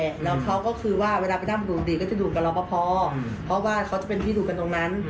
แล้วเขาก็คือว่าเวลาไปนั่งดูดดีก็จะอยู่กับรอปภเพราะว่าเขาจะเป็นที่ดูกันตรงนั้น